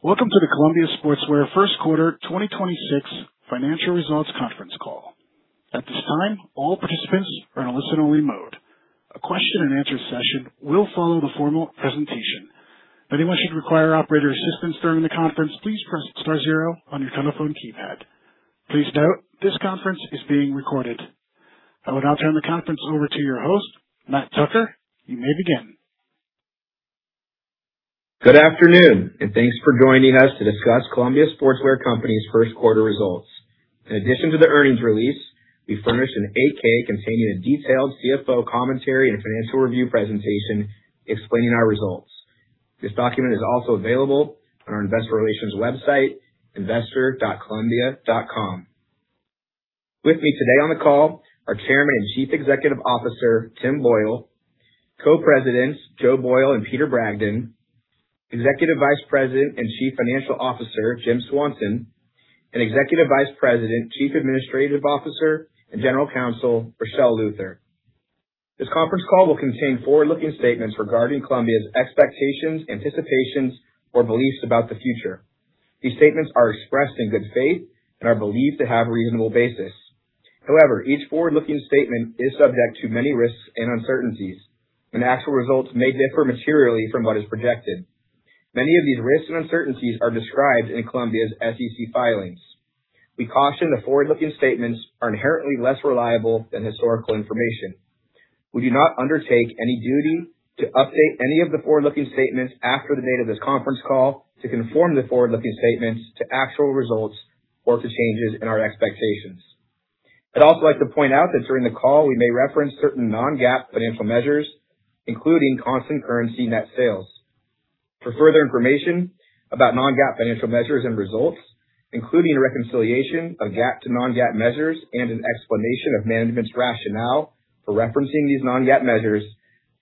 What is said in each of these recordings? Welcome to the Columbia Sportswear first quarter 2026 financial results conference call. At this time, all participants are in a listen-only mode. A question and answer session will follow the formal presentation. If anyone should require operator assistance during the conference, please press star zero on your telephone keypad. Please note, this conference is being recorded. You may begin. I will now turn the conference over to your host, Matt Tucker. You may begin. Good afternoon, and thanks for joining us to discuss Columbia Sportswear Company's first quarter results. In addition to the earnings release, we furnished a Form 8-K containing a detailed CFO commentary and financial review presentation explaining our results. This document is also available on our investor relations website, investor.columbia.com. With me today on the call are Chairman and Chief Executive Officer, Tim Boyle, Co-Presidents Joe Boyle and Peter Bragdon, Executive Vice President and Chief Financial Officer, Jim Swanson, and Executive Vice President, Chief Administrative Officer, and General Counsel, Richelle Luther. This conference call will contain forward-looking statements regarding Columbia's expectations, anticipations, or beliefs about the future. These statements are expressed in good faith and are believed to have reasonable basis. However, each forward-looking statement is subject to many risks and uncertainties, and actual results may differ materially from what is projected. Many of these risks and uncertainties are described in Columbia's SEC filings. We caution that forward-looking statements are inherently less reliable than historical information. We do not undertake any duty to update any of the forward-looking statements after the date of this conference call to conform the forward-looking statements to actual results or to changes in our expectations. I'd also like to point out that during the call we may reference certain non-GAAP financial measures, including constant currency net sales. For further information about non-GAAP financial measures and results, including a reconciliation of GAAP to non-GAAP measures and an explanation of management's rationale for referencing these non-GAAP measures,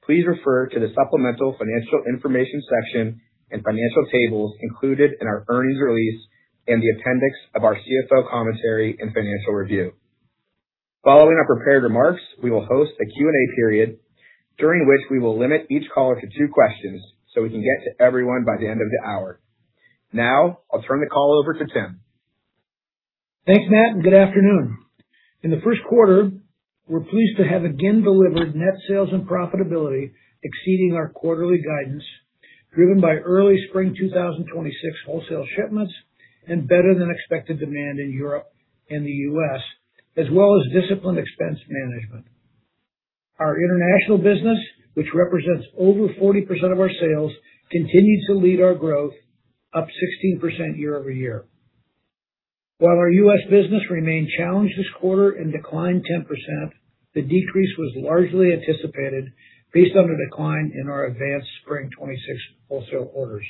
please refer to the supplemental financial information section and financial tables included in our earnings release in the appendix of our CFO commentary and financial review. Following our prepared remarks, we will host a Q&A period during which we will limit each caller to two questions so we can get to everyone by the end of the hour. Now, I'll turn the call over to Tim. Thanks, Matt. Good afternoon. In the first quarter, we're pleased to have again delivered net sales and profitability exceeding our quarterly guidance, driven by early spring 2026 wholesale shipments and better than expected demand in Europe and the U.S., as well as disciplined expense management. Our international business, which represents over 40% of our sales, continues to lead our growth, up 16% year-over-year. While our U.S. business remained challenged this quarter and declined 10%, the decrease was largely anticipated based on the decline in our advanced spring 2026 wholesale orders.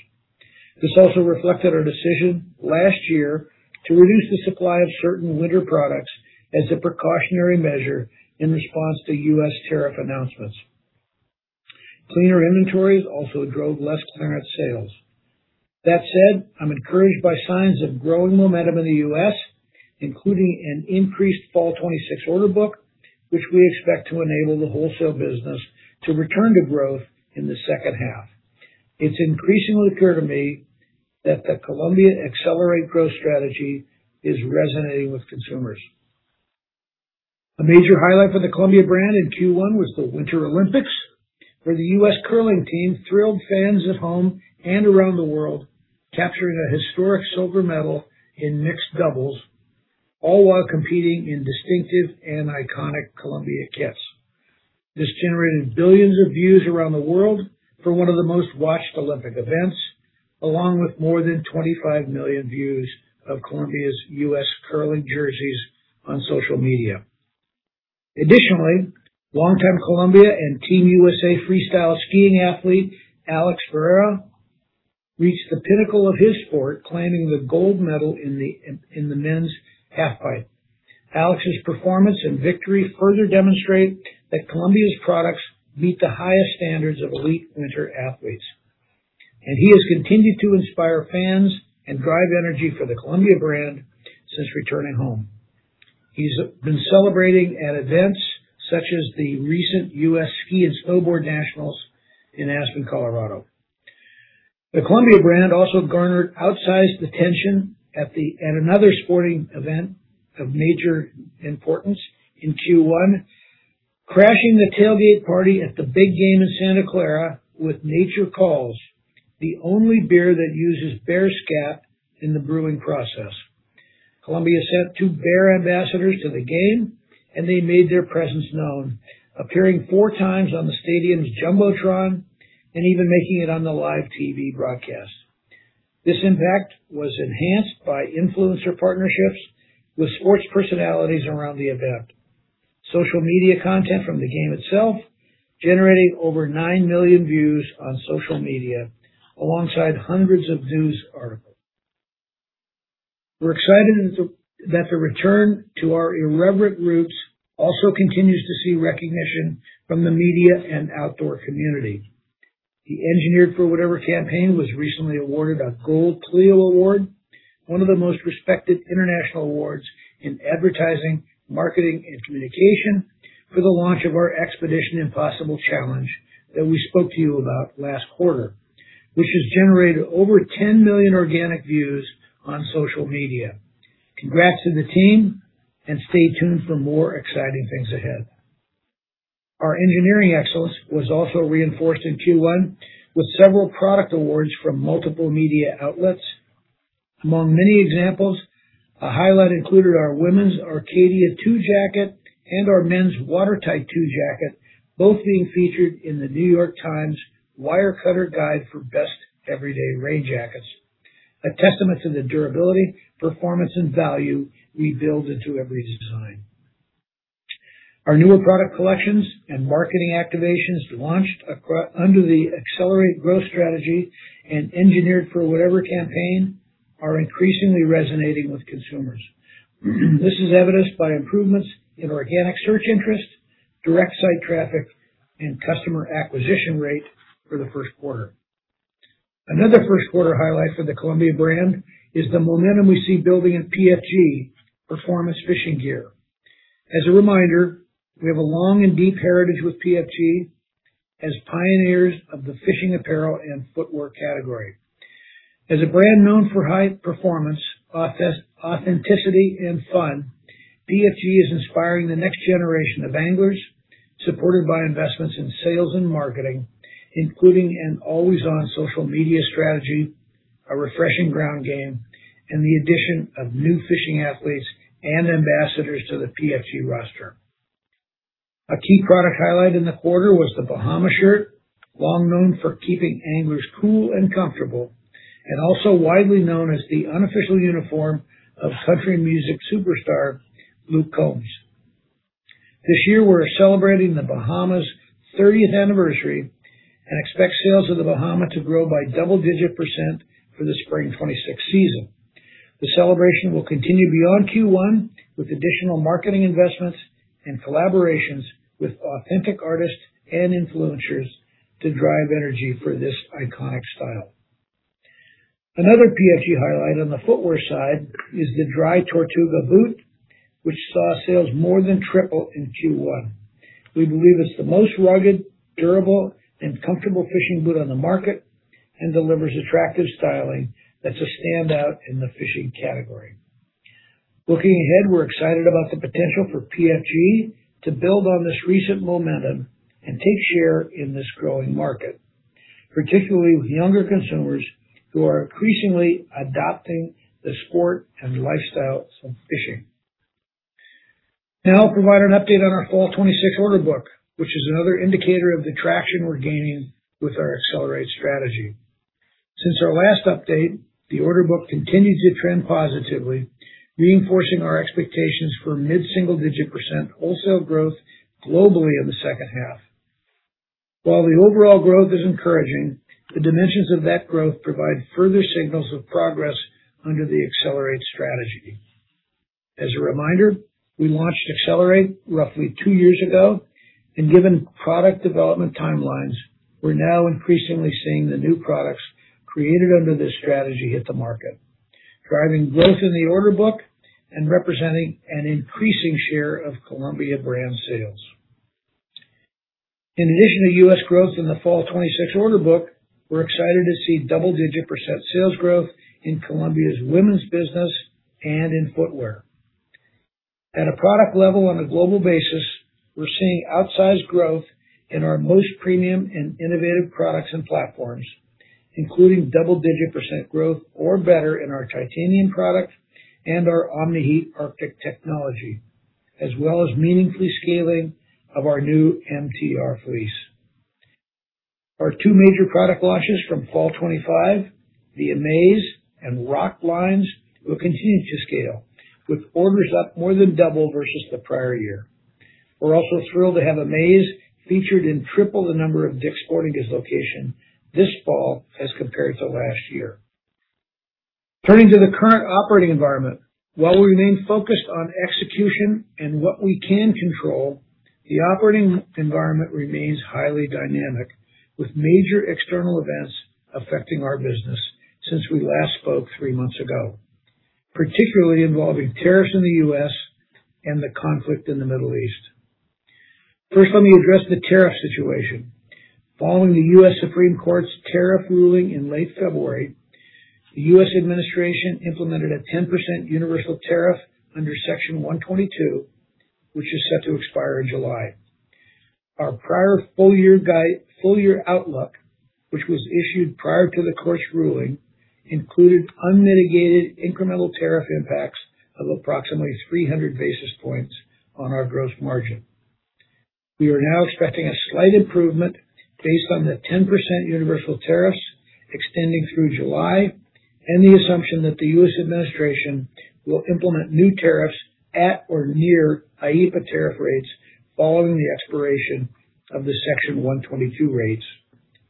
This also reflected our decision last year to reduce the supply of certain winter products as a precautionary measure in response to U.S. tariff announcements. Cleaner inventories also drove less clearance sales. That said, I'm encouraged by signs of growing momentum in the U.S., including an increased fall 2026 order book, which we expect to enable the wholesale business to return to growth in the second half. It's increasingly clear to me that the Columbia ACCELERATE growth strategy is resonating with consumers. A major highlight for the Columbia brand in Q1 was the Winter Olympics, where the U.S. curling team thrilled fans at home and around the world, capturing a historic silver medal in mixed doubles, all while competing in distinctive and iconic Columbia kits. This generated billions of views around the world for one of the most watched Olympic events, along with more than 25 million views of Columbia's U.S. curling jerseys on social media. Additionally, longtime Columbia and Team USA freestyle skiing athlete Alex Ferreira reached the pinnacle of his sport, claiming the gold medal in the men's halfpipe. Alex's performance and victory further demonstrate that Columbia's products meet the highest standards of elite winter athletes, and he has continued to inspire fans and drive energy for the Columbia brand since returning home. He's been celebrating at events such as the recent U.S. Ski and Snowboard Nationals in Aspen, Colorado. The Columbia brand also garnered outsized attention at another sporting event of major importance in Q1, crashing the tailgate party at the big game in Santa Clara with Nature Calls, the only beer that uses bear scat in the brewing process. Columbia sent two bear ambassadors to the game, and they made their presence known, appearing four times on the stadium's jumbotron and even making it on the live TV broadcast. This impact was enhanced by influencer partnerships with sports personalities around the event. Social media content from the game itself generated over nine million views on social media alongside hundreds of news articles. We're excited that the return to our irreverent roots also continues to see recognition from the media and outdoor community. The Engineered for Whatever campaign was recently awarded a Gold Clio award for the launch of our Expedition Impossible challenge that we spoke to you about last quarter, which has generated over 10 million organic views on social media. Congrats to the team, and stay tuned for more exciting things ahead. Our engineering excellence was also reinforced in Q1 with several product awards from multiple media outlets. Among many examples, a highlight included our women's Arcadia II jacket and our men's Watertight II jacket, both being featured in The New York Times Wirecutter Guide for best everyday rain jackets. A testament to the durability, performance, and value we build into every design. Our newer product collections and marketing activations launched under the ACCELERATE growth strategy and Engineered for Whatever campaign are increasingly resonating with consumers. This is evidenced by improvements in organic search interest, direct site traffic, and customer acquisition rate for the first quarter. Another first-quarter highlight for the Columbia brand is the momentum we see building in PFG, Performance Fishing Gear. As a reminder, we have a long and deep heritage with PFG as pioneers of the fishing apparel and footwear category. As a brand known for high performance, authenticity, and fun, PFG is inspiring the next generation of anglers, supported by investments in sales and marketing, including an always-on social media strategy, a refreshing ground game, and the addition of new fishing athletes and ambassadors to the PFG roster. A key product highlight in the quarter was the Bahama shirt, long known for keeping anglers cool and comfortable, and also widely known as the unofficial uniform of country music superstar Luke Combs. This year, we're celebrating the Bahama's 30th anniversary and expect sales of the Bahama to grow by double-digit percent for the spring 2026 season. The celebration will continue beyond Q1 with additional marketing investments and collaborations with authentic artists and influencers to drive energy for this iconic style. Another PFG highlight on the footwear side is the Dry Tortugas boot, which saw sales more than triple in Q1. We believe it's the most rugged, durable, and comfortable fishing boot on the market and delivers attractive styling that's a standout in the fishing category. Looking ahead, we're excited about the potential for PFG to build on this recent momentum and take share in this growing market, particularly with younger consumers who are increasingly adopting the sport and lifestyle of fishing. I'll provide an update on our fall 2026 order book, which is another indicator of the traction we're gaining with our ACCELERATE strategy. Since our last update, the order book continues to trend positively, reinforcing our expectations for mid-single-digit percent wholesale growth globally in the second half. The overall growth is encouraging, the dimensions of that growth provide further signals of progress under the ACCELERATE strategy. As a reminder, we launched ACCELERATE roughly two years ago, and given product development timelines, we're now increasingly seeing the new products created under this strategy hit the market, driving growth in the order book and representing an increasing share of Columbia brand sales. In addition to U.S. growth in the fall 2026 order book, we're excited to see double-digit percent sales growth in Columbia's women's business and in footwear. At a product level on a global basis, we're seeing outsized growth in our most premium and innovative products and platforms, including double-digit percent growth or better in our Titanium product and our Omni-Heat Arctic technology, as well as meaningfully scaling of our new MTR fleece. Our two major product launches from fall 2025, the Amaze and ROC lines, will continue to scale, with orders up more than 2x versus the prior year. We're also thrilled to have Amaze featured in triple the number of Dick's Sporting Goods location this fall as compared to last year. Turning to the current operating environment, while we remain focused on execution and what we can control, the operating environment remains highly dynamic, with major external events affecting our business since we last spoke three months ago, particularly involving tariffs in the U.S. and the conflict in the Middle East. First, let me address the tariff situation. Following the U.S. Supreme Court's tariff ruling in late February, the U.S. administration implemented a 10% universal tariff under Section 122, which is set to expire in July. Our prior full-year outlook, which was issued prior to the court's ruling, included unmitigated incremental tariff impacts of approximately 300 basis points on our gross margin. We are now expecting a slight improvement based on the 10% universal tariffs extending through July and the assumption that the U.S. administration will implement new tariffs at or near IEEPA tariff rates following the expiration of the Section 122 rates.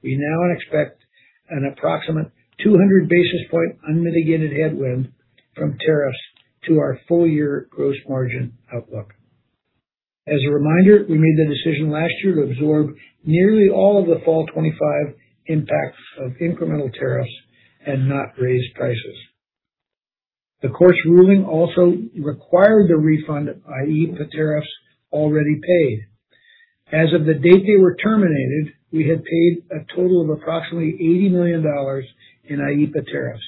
We now expect an approximate 200 basis point unmitigated headwind from tariffs to our full-year gross margin outlook. As a reminder, we made the decision last year to absorb nearly all of the fall 2025 impacts of incremental tariffs and not raise prices. The courts ruling also required the refund of IEEPA tariffs already paid. As of the date they were terminated, we had paid a total of approximately $80 million in IEEPA tariffs,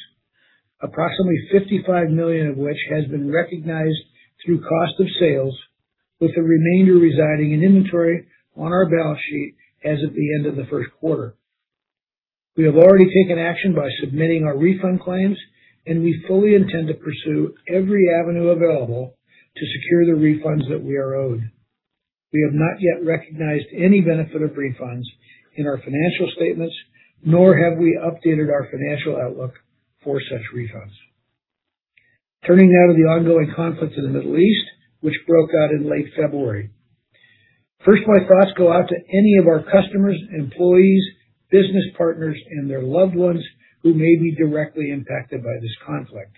approximately $55 million of which has been recognized through cost of sales, with the remainder residing in inventory on our balance sheet as of the end of the first quarter. We have already taken action by submitting our refund claims, and we fully intend to pursue every avenue available to secure the refunds that we are owed. We have not yet recognized any benefit of refunds in our financial statements, nor have we updated our financial outlook for such refunds. Turning now to the ongoing conflict in the Middle East, which broke out in late February. First, my thoughts go out to any of our customers, employees, business partners, and their loved ones who may be directly impacted by this conflict.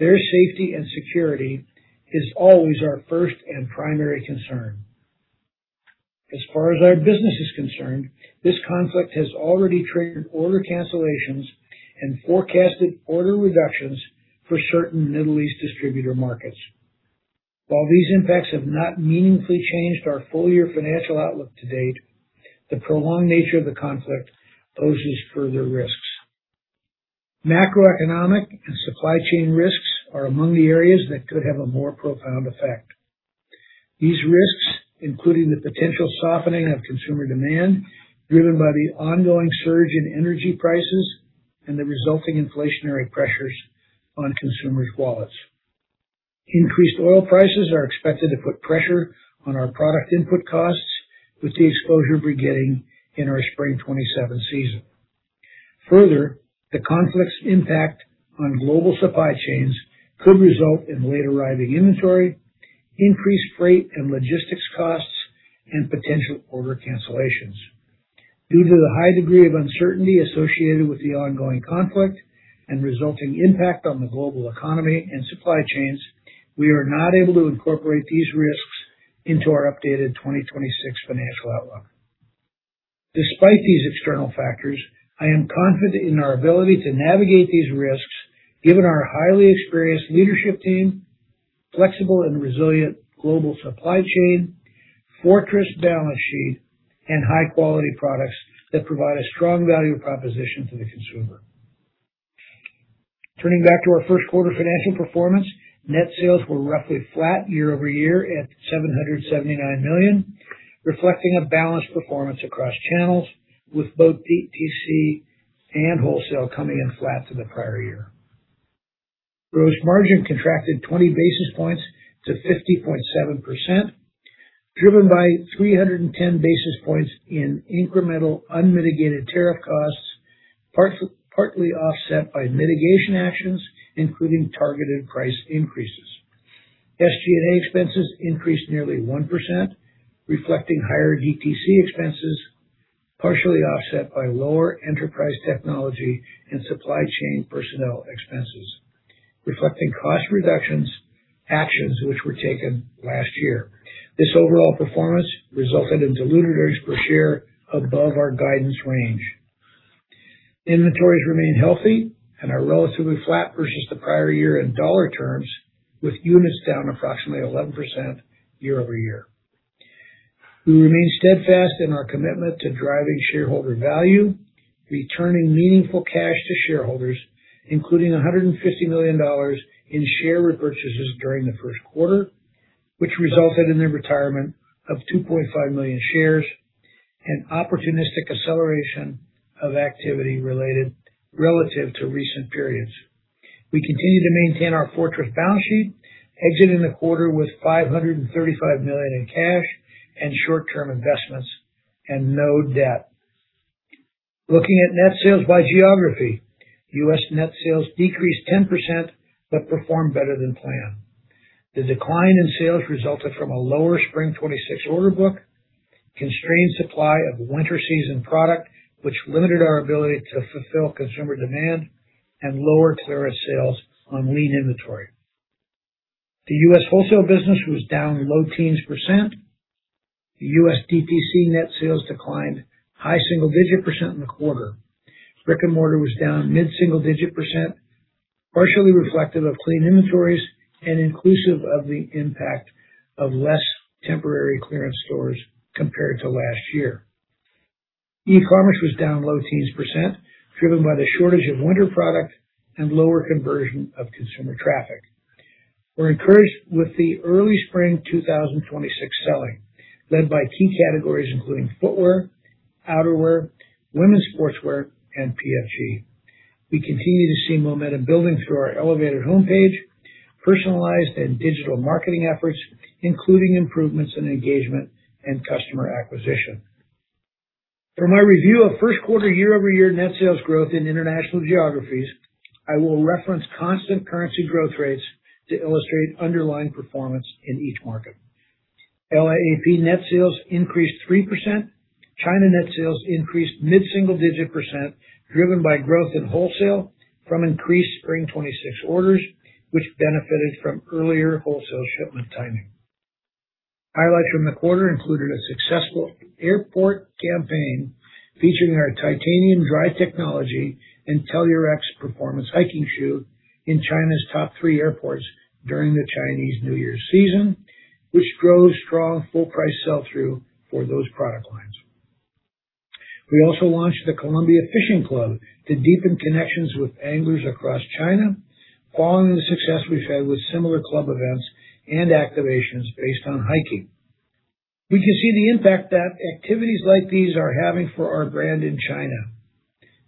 Their safety and security is always our first and primary concern. As far as our business is concerned, this conflict has already triggered order cancellations and forecasted order reductions for certain Middle East distributor markets. While these impacts have not meaningfully changed our full-year financial outlook to date, the prolonged nature of the conflict poses further risks. Macroeconomic and supply chain risks are among the areas that could have a more profound effect. These risks, including the potential softening of consumer demand driven by the ongoing surge in energy prices and the resulting inflationary pressures on consumers' wallets. Increased oil prices are expected to put pressure on our product input costs, with the exposure beginning in our spring 2027 season. The conflict's impact on global supply chains could result in late-arriving inventory, increased freight and logistics costs, and potential order cancellations. Due to the high degree of uncertainty associated with the ongoing conflict and resulting impact on the global economy and supply chains, we are not able to incorporate these risks into our updated 2026 financial outlook. Despite these external factors, I am confident in our ability to navigate these risks given our highly experienced leadership team, flexible and resilient global supply chain, fortress balance sheet, and high-quality products that provide a strong value proposition to the consumer. Turning back to our first quarter financial performance, net sales were roughly flat year-over-year at $779 million, reflecting a balanced performance across channels, with both DTC and wholesale coming in flat to the prior year. Gross margin contracted 20 basis points to 50.7%, driven by 310 basis points in incremental unmitigated tariff costs, partly offset by mitigation actions, including targeted price increases. SG&A expenses increased nearly 1%, reflecting higher DTC expenses, partially offset by lower enterprise technology and supply chain personnel expenses, reflecting cost reductions actions which were taken last year. This overall performance resulted in diluted earnings per share above our guidance range. Inventories remain healthy and are relatively flat versus the prior year in dollar terms, with units down approximately 11% year-over-year. We remain steadfast in our commitment to driving shareholder value, returning meaningful cash to shareholders, including $150 million in share repurchases during the first quarter, which resulted in the retirement of 2.5 million shares and opportunistic acceleration of activity relative to recent periods. We continue to maintain our fortress balance sheet, exiting the quarter with $535 million in cash and short-term investments and no debt. Looking at net sales by geography. U.S. net sales decreased 10% but performed better than planned. The decline in sales resulted from a lower spring 2026 order book, constrained supply of winter season product, which limited our ability to fulfill consumer demand, and lower clearance sales on lean inventory. The U.S. wholesale business was down low teens percent. The U.S. DTC net sales declined high single-digit percent in the quarter. Brick-and-mortar was down mid-single-digit percent, partially reflective of clean inventories and inclusive of the impact of less temporary clearance stores compared to last year. E-commerce was down low teens percent, driven by the shortage of winter product and lower conversion of consumer traffic. We're encouraged with the early spring 2026 selling, led by key categories including footwear, outerwear, women's sportswear, and PFG. We continue to see momentum building through our elevated homepage, personalized and digital marketing efforts, including improvements in engagement and customer acquisition. For my review of first quarter year-over-year net sales growth in international geographies, I will reference constant currency growth rates to illustrate underlying performance in each market. LAAP net sales increased 3%. China net sales increased mid-single digit percent, driven by growth in wholesale from increased Spring 2026 orders, which benefited from earlier wholesale shipment timing. Highlights from the quarter included a successful airport campaign featuring our Titanium dry technology and Tellurix performance hiking shoe in China's top three airports during the Chinese New Year season, which drove strong full price sell-through for those product lines. We also launched the Columbia Fishing Club to deepen connections with anglers across China, following the success we've had with similar club events and activations based on hiking. We can see the impact that activities like these are having for our brand in China,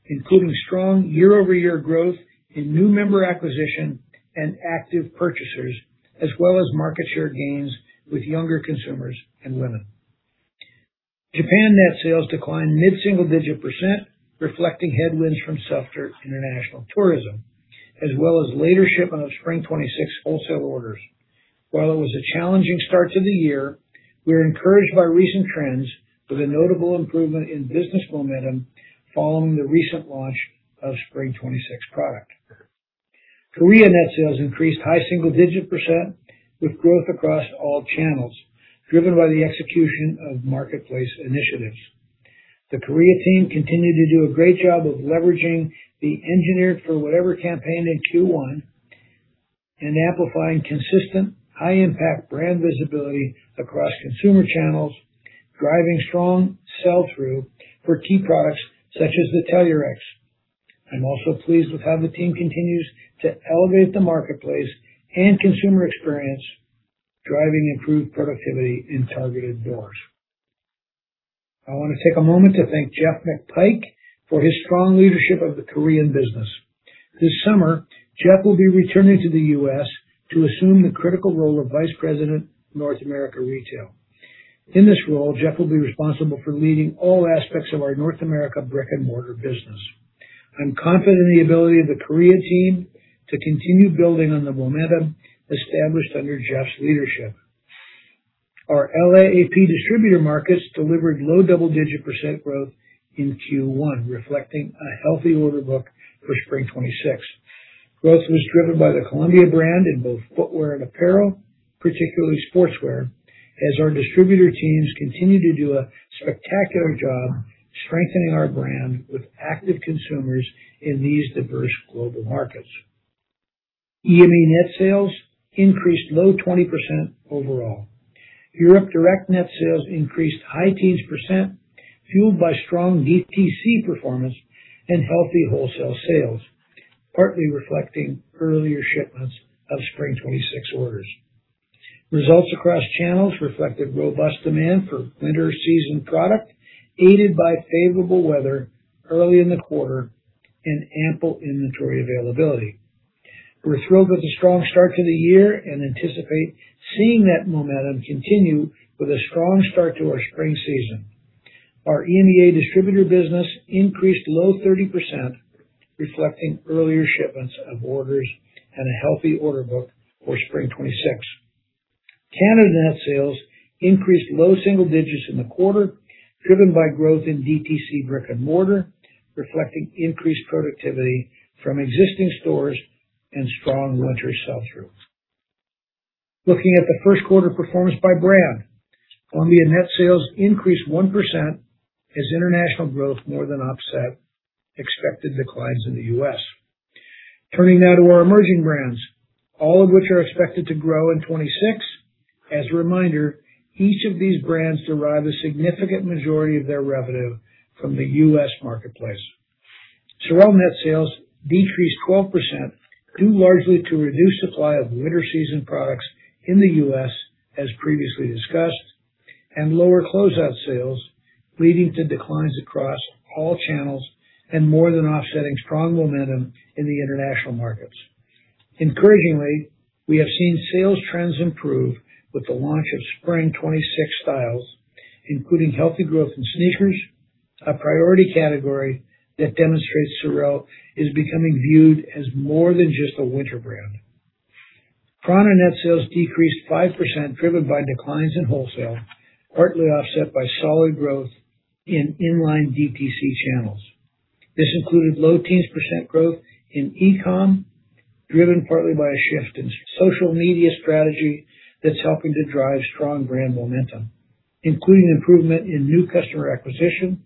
including strong year-over-year growth in new member acquisition and active purchasers, as well as market share gains with younger consumers and women. Japan net sales declined mid-single digit percent, reflecting headwinds from softer international tourism, as well as later ship of Spring 2026 wholesale orders. While it was a challenging start to the year, we are encouraged by recent trends with a notable improvement in business momentum following the recent launch of Spring 2026 product. Korea net sales increased high single digit percent with growth across all channels, driven by the execution of marketplace initiatives. The Korea team continued to do a great job of leveraging the Engineered for Whatever campaign in Q1 and amplifying consistent, high impact brand visibility across consumer channels, driving strong sell-through for key products such as the Tellurix. I'm also pleased with how the team continues to elevate the marketplace and consumer experience, driving improved productivity in targeted doors. I wanna take a moment to thank Jeff McPike for his strong leadership of the Korean business. This summer, Jeff will be returning to the U.S. to assume the critical role of vice president, North America retail. In this role, Jeff will be responsible for leading all aspects of our North America brick-and-mortar business. I'm confident in the ability of the Korea team to continue building on the momentum established under Jeff's leadership. Our LAAP distributor markets delivered low double-digit percent growth in Q1, reflecting a healthy order book for Spring 2026. Growth was driven by the Columbia brand in both footwear and apparel, particularly sportswear, as our distributor teams continue to do a spectacular job strengthening our brand with active consumers in these diverse global markets. EMEA net sales increased low 20% overall. Europe direct net sales increased high teens percent, fueled by strong DTC performance and healthy wholesale sales, partly reflecting earlier shipments of Spring 2026 orders. Results across channels reflected robust demand for winter season product, aided by favorable weather early in the quarter and ample inventory availability. We're thrilled with the strong start to the year and anticipate seeing that momentum continue with a strong start to our spring season. Our EMEA distributor business increased low 30%, reflecting earlier shipments of orders and a healthy order book for Spring 2026. Canada net sales increased low single digits in the quarter, driven by growth in DTC brick-and-mortar, reflecting increased productivity from existing stores and strong winter sell-through. Looking at the first quarter performance by brand. Columbia net sales increased 1% as international growth more than offset expected declines in the U.S. Turning now to our emerging brands, all of which are expected to grow in 2026. As a reminder, each of these brands derive a significant majority of their revenue from the U.S. marketplace. SOREL net sales decreased 12%, due largely to reduced supply of winter season products in the U.S., as previously discussed, and lower closeout sales, leading to declines across all channels and more than offsetting strong momentum in the international markets. Encouragingly, we have seen sales trends improve with the launch of Spring 2026 styles, including healthy growth in sneakers, a priority category that demonstrates SOREL is becoming viewed as more than just a winter brand. prAna net sales decreased 5%, driven by declines in wholesale, partly offset by solid growth in inline DTC channels. This included low teens percent growth in e-com, driven partly by a shift in social media strategy that's helping to drive strong brand momentum, including improvement in new customer acquisition,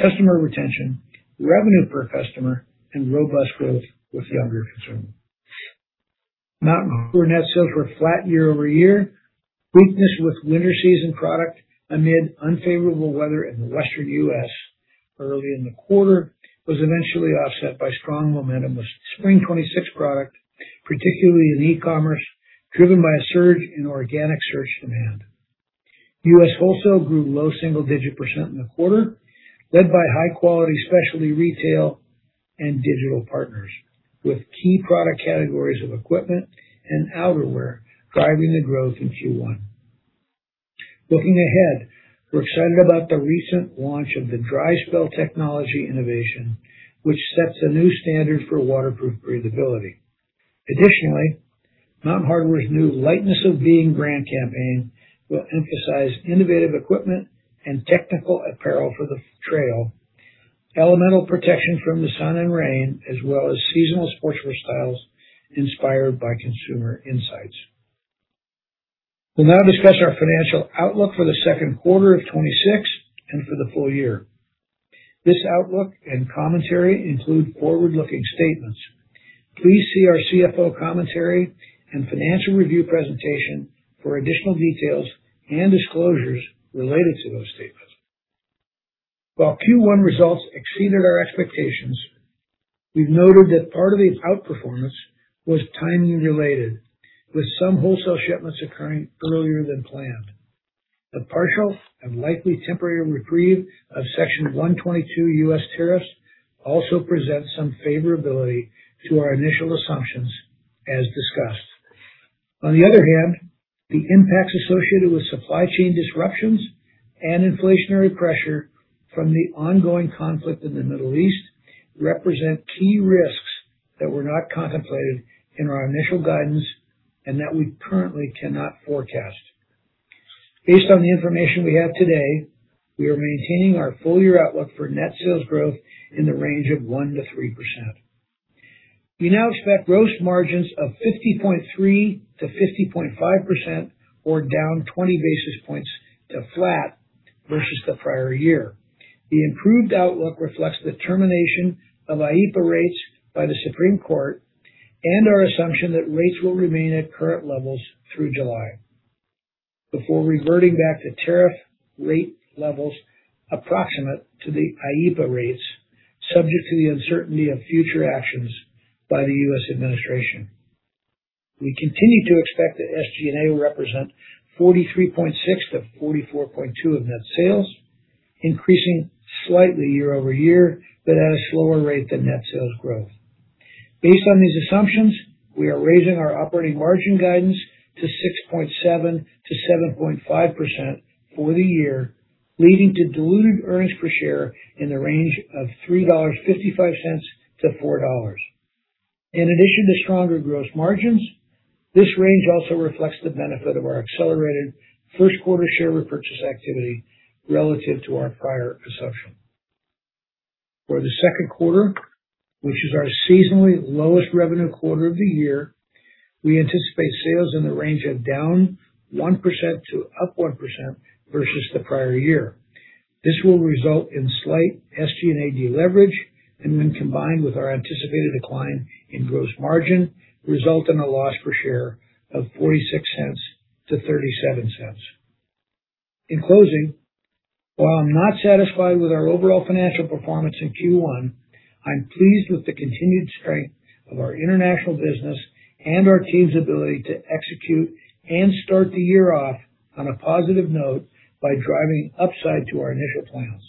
customer retention, revenue per customer, and robust growth with younger consumers. Mountain Hardwear net sales were flat year-over-year. Weakness with winter season product amid unfavorable weather in the Western U.S. early in the quarter was eventually offset by strong momentum with Spring 2026 product, particularly in e-commerce, driven by a surge in organic search demand. U.S. wholesale grew low single digit percent in the quarter, led by high quality specialty retail and digital partners, with key product categories of equipment and outerwear driving the growth in Q1. Looking ahead, we're excited about the recent launch of the Dry Spell technology innovation, which sets a new standard for waterproof breathability. Additionally, Mountain Hardwear's new Lightness of Being brand campaign will emphasize innovative equipment and technical apparel for the trail, elemental protection from the sun and rain, as well as seasonal sportswear styles inspired by consumer insights. We'll now discuss our financial outlook for the second quarter of 2026 and for the full year. This outlook and commentary include forward-looking statements. Please see our CFO commentary and financial review presentation for additional details and disclosures related to those statements. While Q1 results exceeded our expectations, we've noted that part of the outperformance was timing related, with some wholesale shipments occurring earlier than planned. The partial and likely temporary reprieve of Section 122 U.S. tariffs also presents some favorability to our initial assumptions, as discussed. On the other hand, the impacts associated with supply chain disruptions and inflationary pressure from the ongoing conflict in the Middle East represent key risks that were not contemplated in our initial guidance and that we currently cannot forecast. Based on the information we have today, we are maintaining our full-year outlook for net sales growth in the range of 1%-3%. We now expect gross margins of 50.3%-50.5% or down 20 basis points to flat versus the prior year. The improved outlook reflects the termination of IEEPA rates by the Supreme Court and our assumption that rates will remain at current levels through July before reverting back to tariff rate levels approximate to the IEEPA rates, subject to the uncertainty of future actions by the U.S. administration. We continue to expect that SG&A will represent 43.6%-44.2% of net sales, increasing slightly year-over-year, but at a slower rate than net sales growth. Based on these assumptions, we are raising our operating margin guidance to 6.7%-7.5% for the year, leading to diluted earnings per share in the range of $3.55-$4.00. In addition to stronger gross margins, this range also reflects the benefit of our accelerated first quarter share repurchase activity relative to our prior assumption. For the second quarter, which is our seasonally lowest revenue quarter of the year, we anticipate sales in the range of down 1% to up 1% versus the prior year. This will result in slight SG&A deleverage and when combined with our anticipated decline in gross margin, result in a loss per share of $0.46 to $0.37. In closing, while I'm not satisfied with our overall financial performance in Q1, I'm pleased with the continued strength of our international business and our team's ability to execute and start the year off on a positive note by driving upside to our initial plans.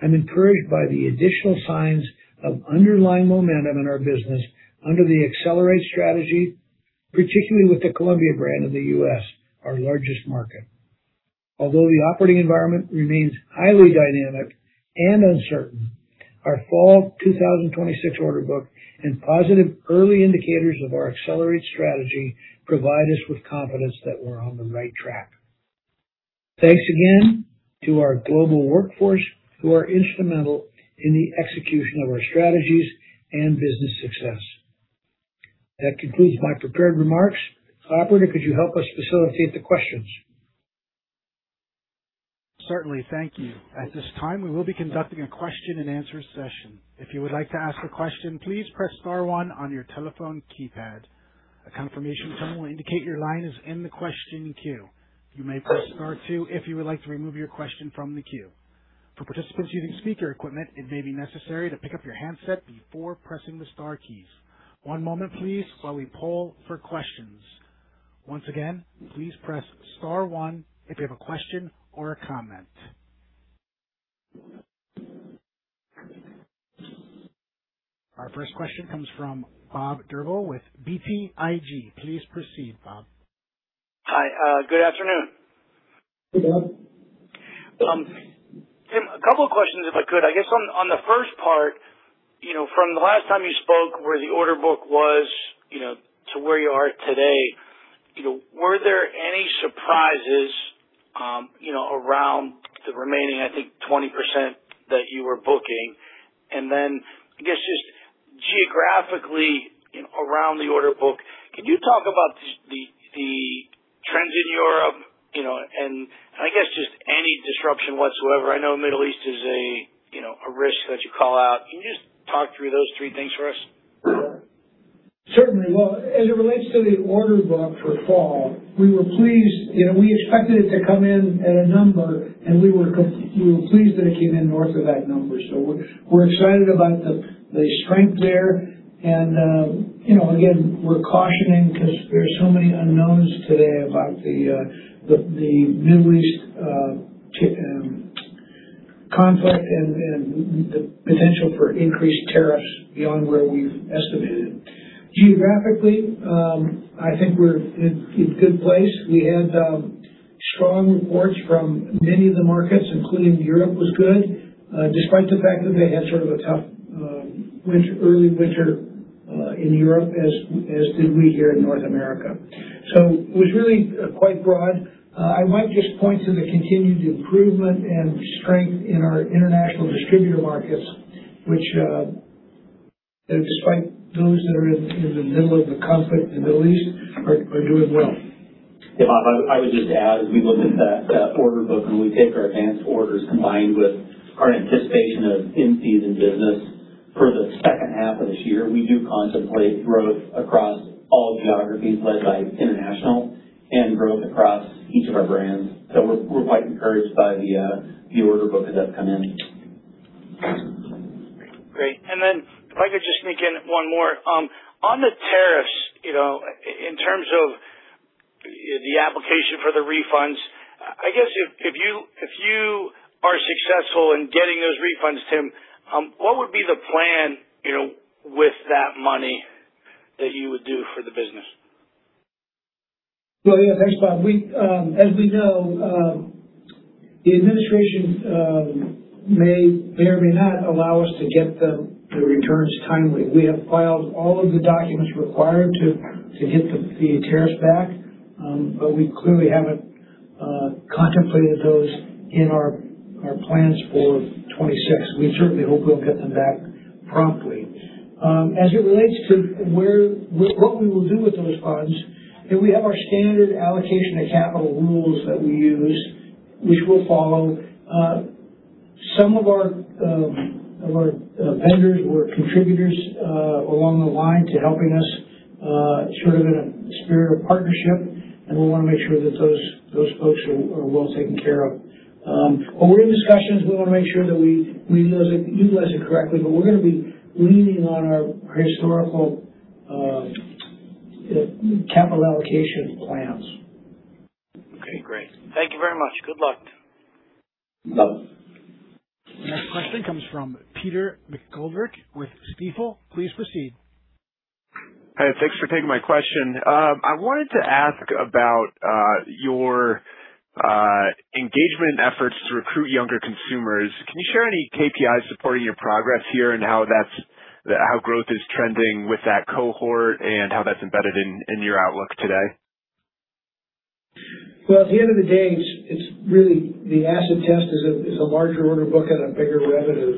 I'm encouraged by the additional signs of underlying momentum in our business under the ACCELERATE strategy, particularly with the Columbia brand in the U.S., our largest market. Although the operating environment remains highly dynamic and uncertain, our fall 2026 order book and positive early indicators of our ACCELERATE strategy provide us with confidence that we're on the right track. Thanks again to our global workforce who are instrumental in the execution of our strategies and business success. That concludes my prepared remarks. Operator, could you help us facilitate the questions? Certainly. Thank you. At this time, we will be conducting a question-and-answer session. If you would like to ask a question, please press star one on your telephone keypad. A confirmation tone will indicate your line is in the question queue. You may press star two if you would like to remove your question from the queue. For participants using speaker equipment, it may be necessary to pick up your handset before pressing the star keys. One moment please while we poll for questions. Once again, please press star one if you have a question or a comment. Our first question comes from Bob Drbul with BTIG. Please proceed, Bob. Hi. good afternoon. Hey, Bob. Tim, a couple of questions, if I could. I guess on the first part, you know, from the last time you spoke where the order book was, you know, to where you are today, you know, were there any surprises, you know, around the remaining, I think, 20% that you were booking? Then I guess, just geographically around the order book, can you talk about the trends in Europe? You know, I guess just any disruption whatsoever. I know Middle East is a, you know, a risk that you call out. Can you just talk through those three things for us? Sure. Certainly. As it relates to the order book for fall, we were pleased. You know, we expected it to come in at a number, we were pleased that it came in north of that number. We're excited about the strength there. You know, again, we're cautioning because there are so many unknowns today about the Middle East conflict and the potential for increased tariffs beyond where we've estimated. Geographically, I think we're in good place. We had strong reports from many of the markets, including Europe, was good, despite the fact that they had sort of a tough, early winter in Europe as did we here in North America. It was really quite broad. I might just point to the continued improvement and strength in our international distributor markets, which, despite those that are in the middle of the conflict in the Middle East are doing well. I would just add, as we look at that order book and we take our advanced orders combined with our anticipation of in-season business for the second half of this year, we do contemplate growth across all geographies led by international and growth across each of our brands. We're quite encouraged by the the order book that's come in. Great. If I could just sneak in one more. On the tariffs, you know, in terms of the application for the refunds, I guess if you, if you are successful in getting those refunds, Tim, what would be the plan, you know, with that money that you would do for the business? Well, yeah, thanks, Bob. As we know, the administration may or may not allow us to get the returns timely. We have filed all of the documents required to get the tariffs back. We clearly haven't contemplated those in our plans for 2026. We certainly hope we'll get them back promptly. As it relates to what we will do with those funds, you know, we have our standard allocation of capital rules that we use, which we'll follow. Some of our of our vendors were contributors along the line to helping us sort of in a spirit of partnership, and we wanna make sure that those folks are well taken care of. We're in discussions. We wanna make sure that we utilize it, utilize it correctly, but we're gonna be leaning on our historical capital allocation plans. Okay, great. Thank you very much. Good luck. You bet. The next question comes from Peter McGoldrick with Stifel. Please proceed. Hi, thanks for taking my question. I wanted to ask about your engagement and efforts to recruit younger consumers. Can you share any KPIs supporting your progress here and how growth is trending with that cohort and how that's embedded in your outlook today? At the end of the day, it's really the acid test is a larger order book and a bigger revenue.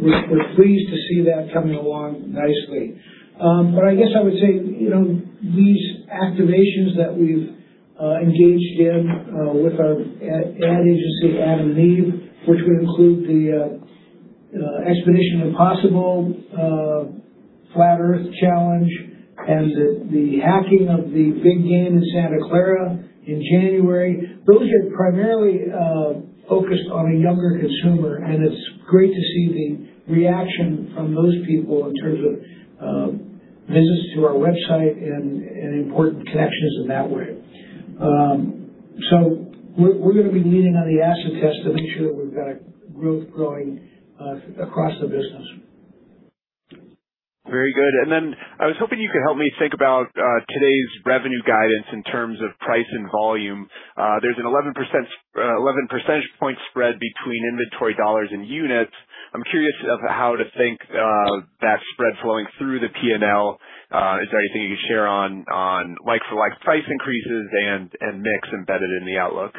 We're pleased to see that coming along nicely. I guess I would say, you know, these activations that we've engaged in with our ad agency, adam&eve, which would include the Expedition Impossible Flat Earth Challenge and the hacking of the big game in Santa Clara in January. Those are primarily focused on a younger consumer, and it's great to see the reaction from those people in terms of visits to our website and important connections in that way. We're going to be leaning on the acid test to make sure that we've got a growth going across the business. Very good. I was hoping you could help me think about today's revenue guidance in terms of price and volume. There's an 11%, 11% point spread between inventory dollars and units. I'm curious of how to think that spread flowing through the P&L. Is there anything you can share on like-for-like price increases and mix embedded in the outlook?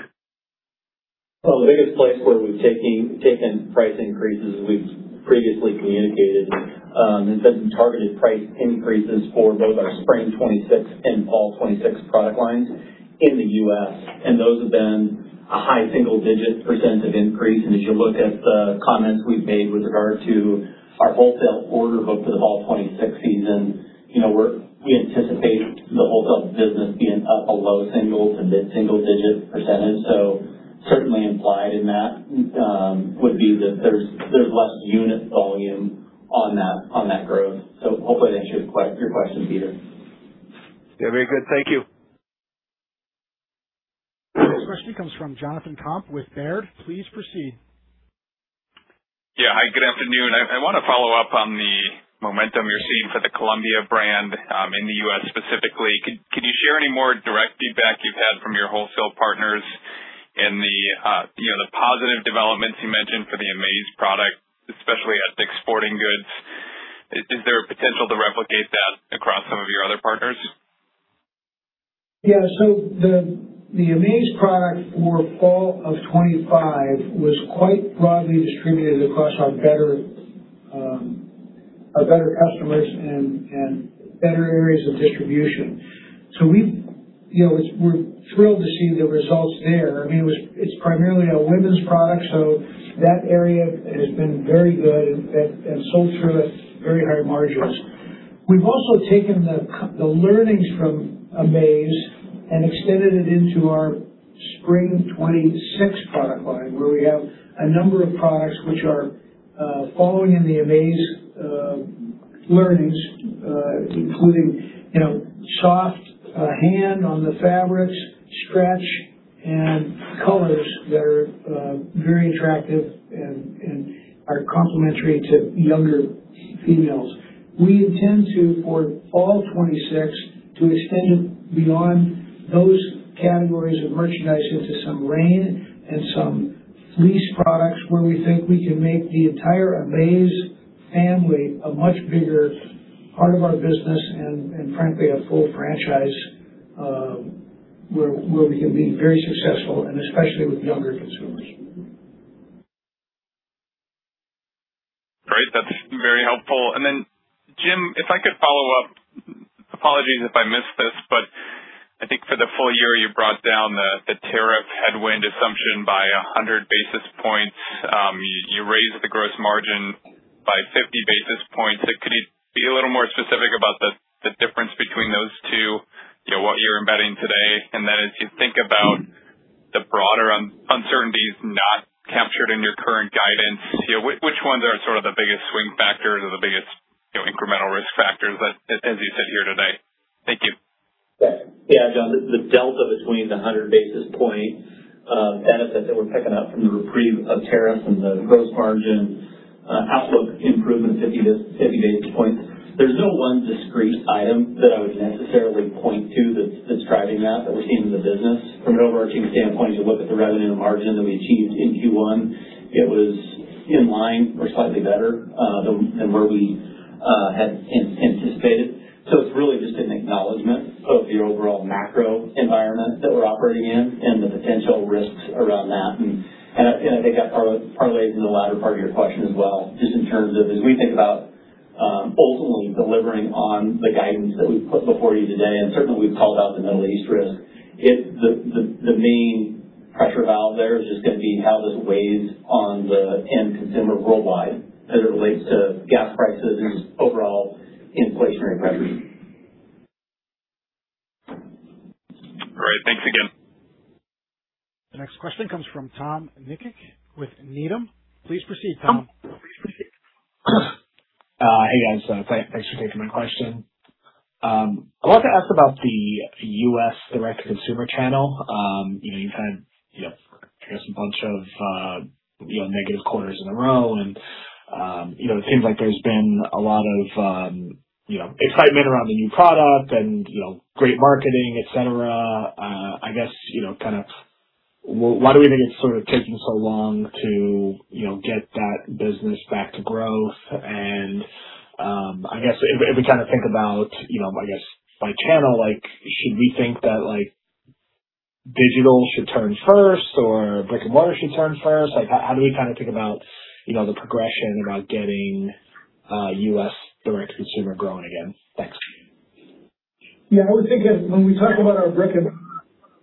Well, the biggest place where we've taken price increases, we've previously communicated, has been targeted price increases for both our spring 26 and fall 26 product lines in the U.S., and those have been a high single-digit percent increase. As you look at the comments we've made with regard to our wholesale order book for the fall 26 season, you know, we anticipate the wholesale business being up a low single to mid-single digit percent. Certainly implied in that would be that there's less unit volume on that, on that growth. Hopefully that answers your question, Peter. Yeah, very good. Thank you. Next question comes from Jonathan Komp with Baird. Please proceed. Yeah, hi. Good afternoon. I wanna follow up on the momentum you're seeing for the Columbia brand, in the U.S. specifically. Can you share any more direct feedback you've had from your wholesale partners and the, you know, the positive developments you mentioned for the Amaze product, especially at Dick's Sporting Goods? Is there a potential to replicate that across some of your other partners? Yeah. The, the Amaze for fall of 2025 was quite broadly distributed across our better, our better customers and better areas of distribution. We, you know, we're thrilled to see the results there. I mean, it's primarily a women's product, so that area has been very good and sold through at very high margins. We've also taken the learnings from Amaze and extended it into our spring 2026 product line, where we have a number of products which are following in the Amaze learnings, including, you know, soft hand on the fabrics, stretch, and colors that are very attractive and are complementary to younger females. We intend to, for fall 2026, to extend beyond those categories of merchandise into some rain and some fleece products where we think we can make the entire Amaze family a much bigger part of our business and frankly, a full franchise, where we can be very successful and especially with younger consumers. Great. That's very helpful. Jim, if I could follow up. Apologies if I missed this, but I think for the full year, you brought down the tariff headwind assumption by 100 basis points. You raised the gross margin by 50 basis points. Could you be a little more specific about the difference between those two, you know, what you're embedding today? As you think about the broader uncertainties not captured in your current guidance, you know, which ones are sort of the biggest swing factors or the biggest, you know, incremental risk factors as you sit here today? Thank you. Yeah. Yeah, Jonathan, the delta between the 100 basis point benefit that we're picking up from the reprieve of tariffs and the gross margin outlook improvement of 50 to 50 basis points, there's no one discrete item that I would necessarily point to that's describing that we're seeing in the business. From an overarching standpoint, to look at the revenue and margin that we achieved in Q1, it was in line or slightly better than where we anticipated. It's really just an acknowledgement of the overall macro environment that we're operating in and the potential risks around that. I think that part of it is in the latter part of your question as well, just in terms of as we think about ultimately delivering on the guidance that we've put before you today, and certainly we've called out the Middle East risk, the main pressure valve there is just gonna be how this weighs on the end consumer worldwide as it relates to gas prices and overall inflationary pressures. Great. Thanks again. The next question comes from Tom Nikic with Needham. Please proceed, Tom. Hey, guys. Thanks for taking my question. I wanted to ask about the U.S. Direct-to-Consumer channel. You know, you've had, you know, I guess a bunch of, you know, negative quarters in a row and, you know, it seems like there's been a lot of, you know, excitement around the new product and, you know, great marketing, et cetera. I guess, you know, kind of why do we think it's sort of taken so long to, you know, get that business back to growth? I guess if we kind of think about, you know, I guess by channel, like, should we think that, like, digital should turn first or brick-and-mortar should turn first? How do we kind of think about, you know, the progression about getting U.S. Direct-to-Consumer growing again? Thanks. Yeah. I would think when we talk about our brick-and-mortar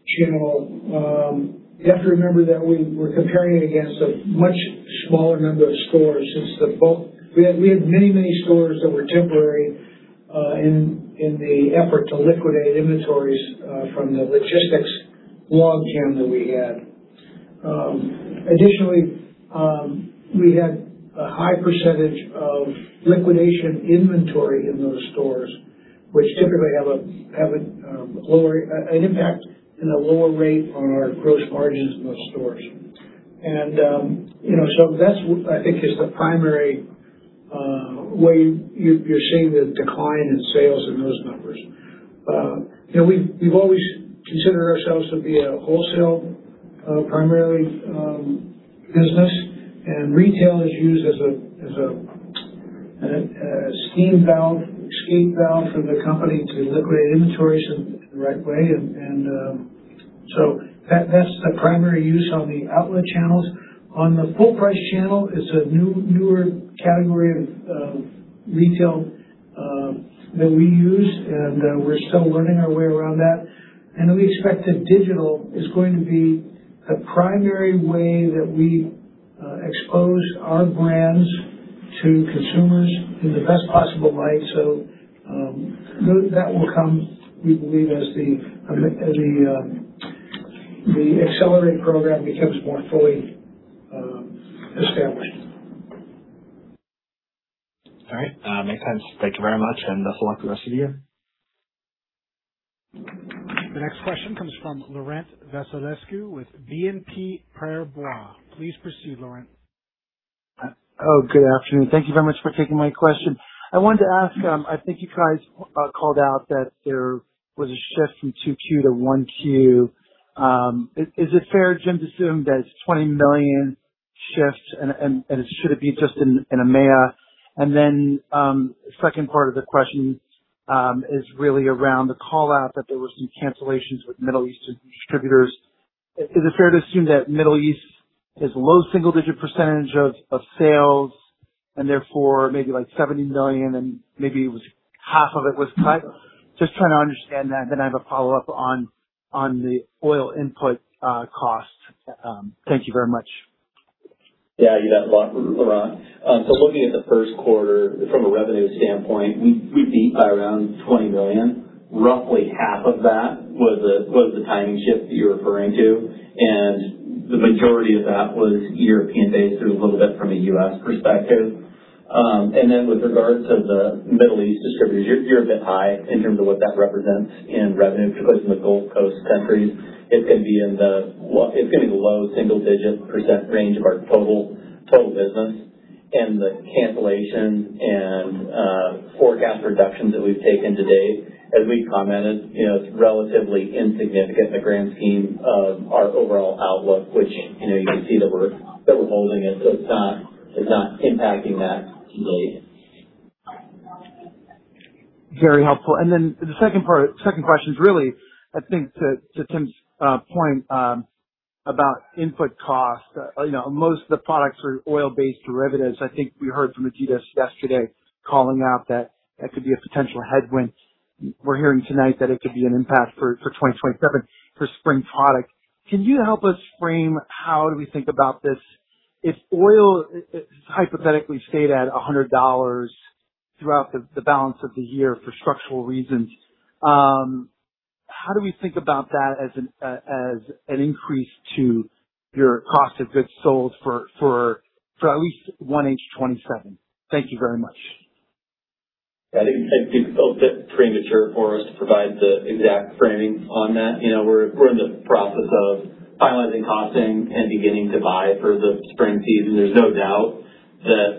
channel, you have to remember that we're comparing it against a much smaller number of stores since the fall. We had many, many stores that were temporary in the effort to liquidate inventories from the logistics logjam that we had. Additionally, we had a high percent of liquidation inventory in those stores, which typically have an impact and a lower rate on our gross margins in those stores. You know, that's I think is the primary way you're seeing the decline in sales in those numbers. You know, we've always considered ourselves to be a wholesale, primarily, business, and retail is used as a steam valve, escape valve for the company to liquidate inventories in the right way. That's the primary use on the outlet channels. On the full price channel, it's a newer category of retail that we use, and we're still learning our way around that. We expect that digital is going to be the primary way that we expose our brands to consumers in the best possible light. That will come, we believe, as the ACCELERATE program becomes more fully established. All right. Makes sense. Thank you very much, and best of luck the rest of the year. The next question comes from Laurent Vasilescu with BNP Paribas. Please proceed, Laurent. Good afternoon. Thank you very much for taking my question. I wanted to ask, I think you guys called out that there was a shift from 2Q to 1Q. Is it fair, Jim, to assume that it's a $20 million shift and should it be just in EMEA? Second part of the question is really around the call-out that there were some cancellations with Middle Eastern distributors. Is it fair to assume that Middle East is low single-digit percent of sales and therefore maybe like $70 million and maybe it was half of it was tight? Just trying to understand that. I have a follow-up on the oil input cost. Thank you very much. Yeah. You bet, Laurent. Looking at the first quarter from a revenue standpoint, we beat by around $20 million. Roughly half of that was the timing shift that you're referring to, and the majority of that was European-based. It was a little bit from a U.S. perspective. With regards to the Middle East distributors, you're a bit high in terms of what that represents in revenue, particularly from the Gulf states countries. It's gonna be in the low single-digit percent range of our total business. The cancellation and forecast reductions that we've taken to date, as we've commented, you know, it's relatively insignificant in the grand scheme of our overall outlook, which, you know, you can see that we're holding it. It's not impacting that materially. Very helpful. The second question is really, I think to Tim's point about input costs. You know, most of the products are oil-based derivatives. I think we heard from Adidas yesterday calling out that that could be a potential headwind. We're hearing tonight that it could be an impact for 2027 for spring product. Can you help us frame how do we think about this? If oil hypothetically stayed at $100 throughout the balance of the year for structural reasons, how do we think about that as an increase to your cost of goods sold for at least 1H 2027? Thank you very much. I think it's a bit premature for us to provide the exact framing on that. You know, we're in the process of finalizing costing and beginning to buy for the spring season. There's no doubt that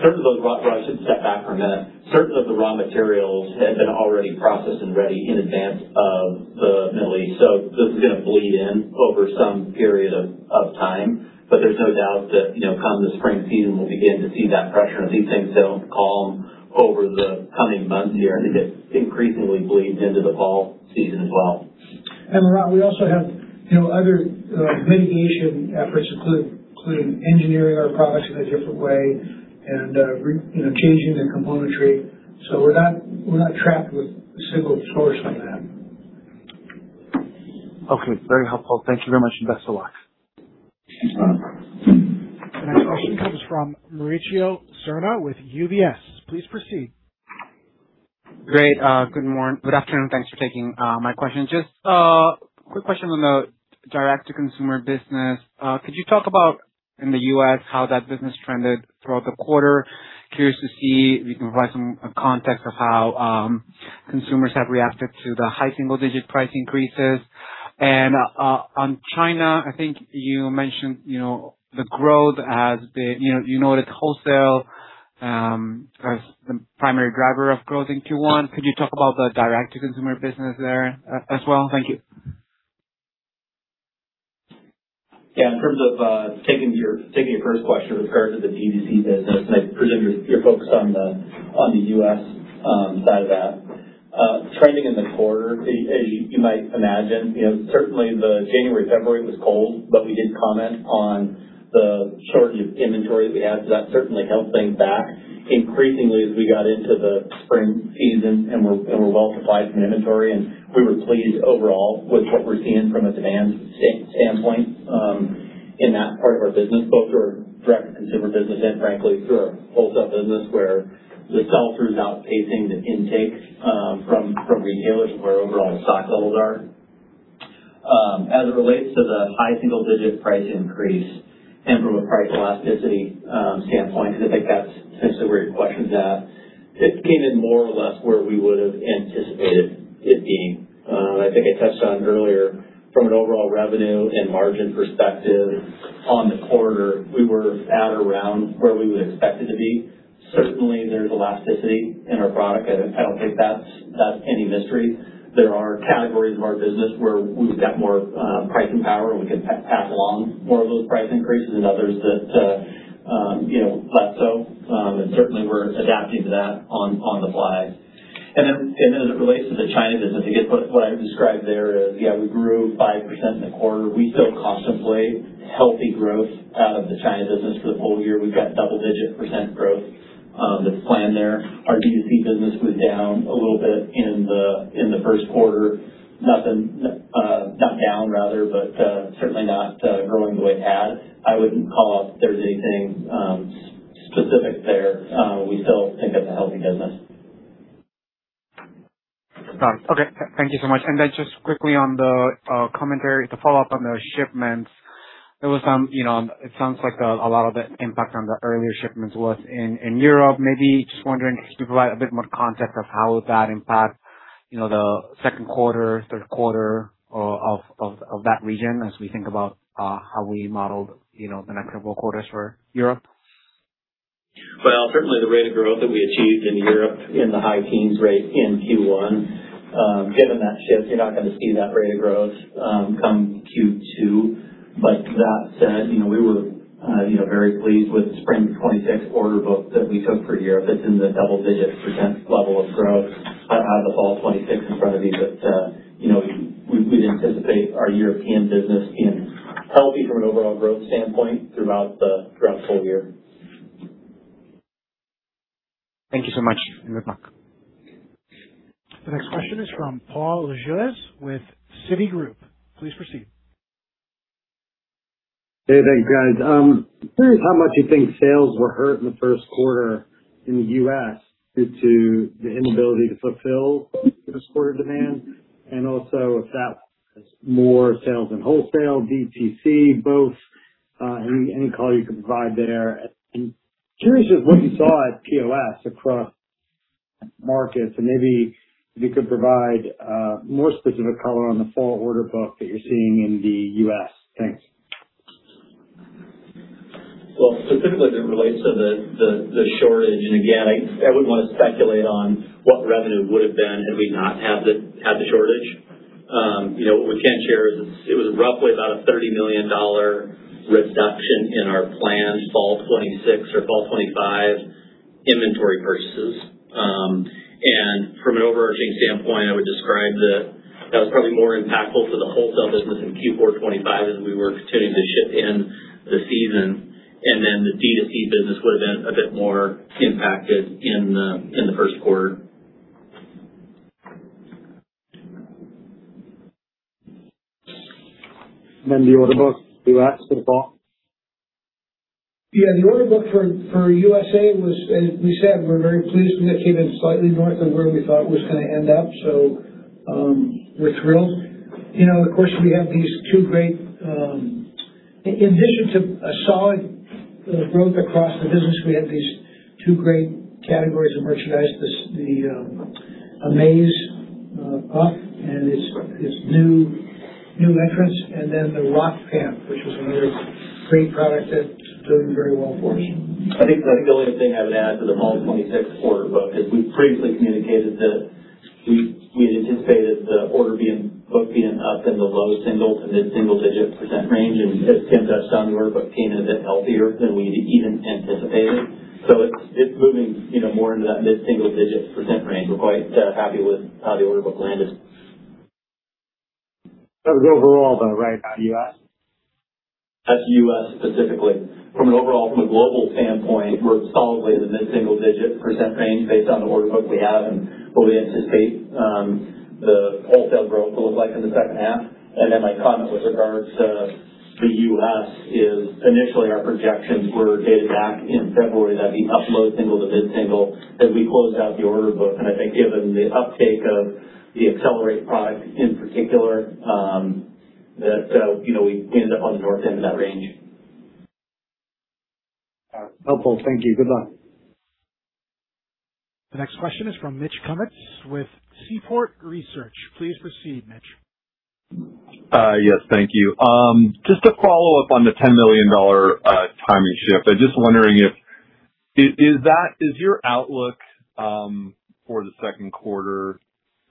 certain of those well, I should step back for a minute. Certain of the raw materials have been already processed and ready in advance of the Middle East, so this is gonna bleed in over some period of time. There's no doubt that, you know, come the spring season, we'll begin to see that pressure. If these things don't calm over the coming months here, I think it increasingly bleeds into the fall season as well. We also have, you know, other mitigation efforts, including engineering our products in a different way and, you know, changing the componentry. We're not trapped with a single source like that. Okay, very helpful. Thank you very much, and best of luck. The next question comes from Mauricio Serna with UBS. Please proceed. Great. Good afternoon. Thanks for taking my question. Just a quick question on the direct to consumer business. Could you talk about in the U.S. how that business trended throughout the quarter? Curious to see if you can provide some context of how consumers have reacted to the high single-digit price increases. On China, I think you mentioned, you know, the growth has been, you know, you noted wholesale as the primary driver of growth in Q1. Could you talk about the direct to consumer business there as well? Thank you. Yeah. In terms of taking your first question with regards to the DTC business, and I presume you're focused on the U.S. side of that. Trending in the quarter, as you might imagine, you know, certainly the January, February was cold, we did comment on the shortage of inventory that we had. That certainly held things back. Increasingly, as we got into the spring season and we're well supplied from inventory, and we were pleased overall with what we're seeing from a demand standpoint in that part of our business, both our direct to consumer business and frankly through our wholesale business, where the sell-through is outpacing the intake from retailers where overall stock levels are. As it relates to the high single-digit price increase and from a price elasticity standpoint, 'cause I think that's essentially where your question's at, it came in more or less where we would have anticipated it being. I think I touched on it earlier from an overall revenue and margin perspective on the quarter, we were at around where we would expect it to be. Certainly, there's elasticity in our product. I don't think that's any mystery. There are categories of our business where we've got more pricing power, and we can pass along more of those price increases and others that, you know, less so. Certainly we're adapting to that on the fly. As it relates to the China business, I think I described there is, yeah, we grew 5% in the quarter. We still contemplate healthy growth out of the China business for the full year. We've got double-digit percent growth that's planned there. Our DTC business was down a little bit in the first quarter. Nothing, not down rather, but certainly not growing the way it had. I wouldn't call out if there's anything specific there. We still think that's a healthy business. Okay. Thank you so much. Just quickly on the commentary to follow up on the shipments. It was, you know, it sounds like a lot of the impact on the earlier shipments was in Europe. Maybe just wondering if you could provide a bit more context of how that impacts, you know, the second quarter, third quarter of that region as we think about how we modeled, you know, the next several quarters for Europe. Well, certainly the rate of growth that we achieved in Europe in the high teens rate in Q1, given that shift, you're not gonna see that rate of growth come Q2. That said, you know, we were, you know, very pleased with the spring 2026 order book that we took for Europe. It's in the double digits percent level of growth. I don't have the fall 2026 in front of me, but, you know, we'd anticipate our European business being healthy from an overall growth standpoint throughout the, throughout the full year. Thank you so much. Good luck. The next question is from Paul Lejuez with Citigroup. Please proceed. Hey, thanks, guys. Curious how much you think sales were hurt in the first quarter in the U.S. due to the inability to fulfill the quarter demand and also if that was more sales in wholesale, DTC, both, any color you can provide there? Curious just what you saw at POS across markets, and maybe if you could provide more specific color on the fall order book that you're seeing in the U.S. Thanks. Well, specifically as it relates to the shortage, again, I wouldn't wanna speculate on what revenue would've been had we not had the shortage. You know, what we can share is it was roughly about a $30 million reduction in our planned fall 2026 or fall 2025 inventory purchases. From an overarching standpoint, I would describe that that was probably more impactful to the wholesale business in Q4 2025 as we were continuing to ship in the season, then the D2C business would've been a bit more impacted in the first quarter. The order book, U.S., for fall? The order book for USA was, as we said, we're very pleased with. It came in slightly north of where we thought it was gonna end up. We're thrilled. In addition to a solid growth across the business, we have these two great categories of merchandise, the Amaze Puff and its new entrance, and then the ROC Pants, which was another great product that's doing very well for us. I think the only thing I would add to the fall 2026 order book is we previously communicated that we had anticipated the order book being up in the low single- to mid-single-digit percent range. As Tim touched on, the order book came in a bit healthier than we even anticipated. It's moving, you know, more into that mid-single-digit percent range. We're quite happy with how the order book landed. That was overall, though, right? Not U.S.? That's U.S. specifically. From an overall, from a global standpoint, we're solidly in the mid-single-digit percent range based on the order book we have and what we anticipate the wholesale growth to look like in the second half. My comment with regards to the U.S. is initially our projections were dated back in February, that'd be upper low-single to mid-single, as we closed out the order book. I think given the uptake of the ACCELERATE product in particular, you know, we ended up on the north end of that range. Helpful. Thank you. Goodluck. The next question is from Mitch Kummetz with Seaport Research. Please proceed, Mitch. Yes, thank you. Just to follow up on the $10 million timing shift. I'm just wondering if Is your outlook for the second quarter,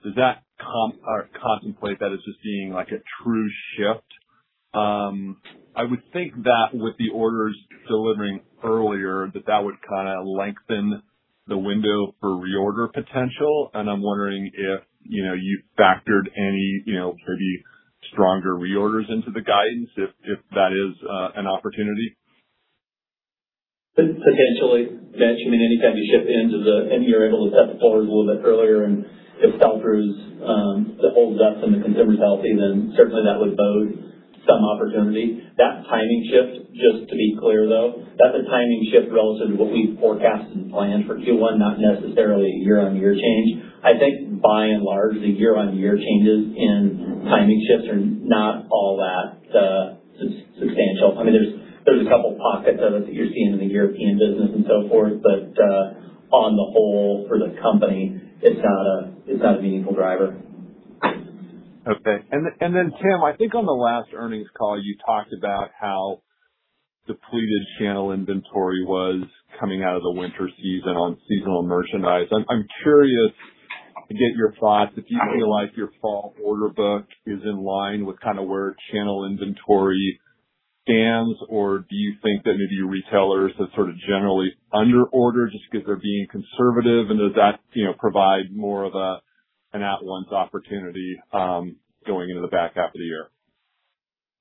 does that contemplate that as just being like a true shift? I would think that with the orders delivering earlier, that that would kinda lengthen the window for reorder potential, and I'm wondering if, you know, you factored any, you know, pretty stronger reorders into the guidance if that is an opportunity. Potentially, Mitch. I mean, any time you ship into the... You're able to set the orders a little bit earlier and it filters, that holds up in the consumer's health, then certainly that would bode some opportunity. That timing shift, just to be clear, though, that's a timing shift relative to what we've forecast and planned for Q1, not necessarily a year-on-year change. I think by and large, the year-on-year changes in timing shifts are not all that substantial. I mean, there's a couple pockets of it that you're seeing in the European business and so forth, but on the whole for the company, it's not a, it's not a meaningful driver. Okay. Tim, I think on the last earnings call, you talked about how depleted channel inventory was coming out of the winter season on seasonal merchandise. I'm curious to get your thoughts if you feel like your fall order book is in line with kinda where channel inventory stands. Do you think that maybe retailers have sort of generally under-ordered just because they're being conservative? Does that, you know, provide more of a, an at-once opportunity going into the back half of the year?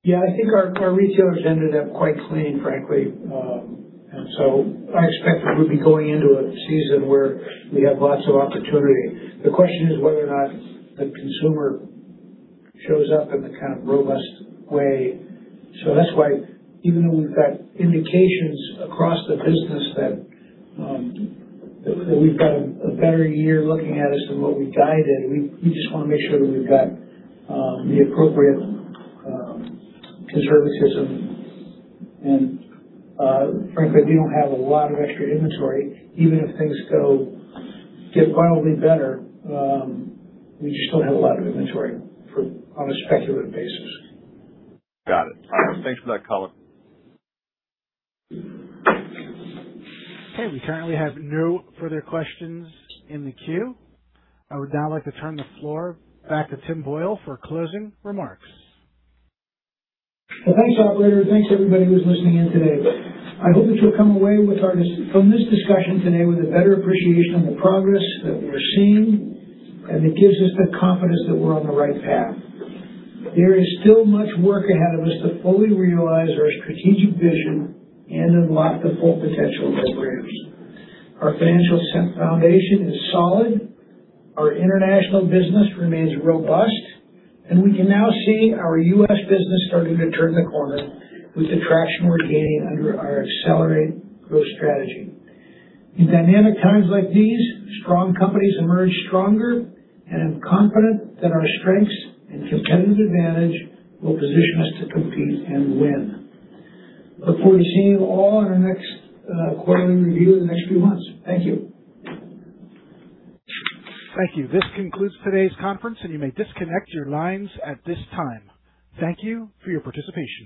Yeah, I think our retailers ended up quite clean, frankly. I expect that we'll be going into a season where we have lots of opportunity. The question is whether or not the consumer shows up in the kind of robust way. That's why even though we've got indications across the business that we've got a better year looking at us than what we guided, we just wanna make sure that we've got the appropriate conservatism. Frankly, we don't have a lot of extra inventory. Even if things get wildly better, we just don't have a lot of inventory on a speculative basis. Got it. Thanks for that color. Okay, we currently have no further questions in the queue. I would now like to turn the floor back to Tim Boyle for closing remarks. Well, thanks, operator, and thanks everybody who's listening in today. I hope that you'll come away from this discussion today with a better appreciation of the progress that we're seeing, and it gives us the confidence that we're on the right path. There is still much work ahead of us to fully realize our strategic vision and unlock the full potential of operators. Our financial foundation is solid. Our international business remains robust, and we can now see our U.S. business starting to turn the corner with the traction we're gaining under our ACCELERATE growth strategy. In dynamic times like these, strong companies emerge stronger and confident that our strengths and competitive advantage will position us to compete and win. Look forward to seeing you all on our next quarterly review in the next few months. Thank you. Thank you. This concludes today's conference. You may disconnect your lines at this time. Thank you for your participation.